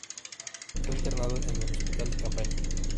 Fue internado en un hospital de campaña.